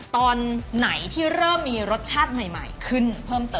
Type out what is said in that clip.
ตอนไหนที่เริ่มมีรสชาติใหม่ขึ้นเพิ่มเติม